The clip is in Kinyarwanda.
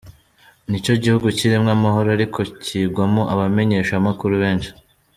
Nico gihugu kirimwo amahoro ariko kigwamwo abamenyeshamakuru benshi.